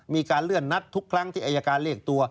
มีการเลื่อนนัดทุกครั้งที่อายการเรียกตัว